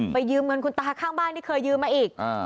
ยืมเงินคุณตาข้างบ้านที่เคยยืมมาอีก